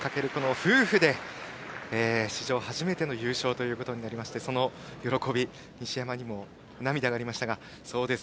夫婦で、史上初の優勝ということになりましてその喜び、西山にも涙がありました。